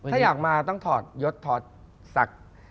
ถ้าอยากมาต้องถอดยศถอดศักดิ์